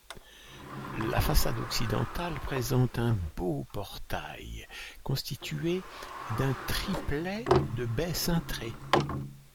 La façade occidentale présente un beau portail constitué d'un triplet de baies cintrées.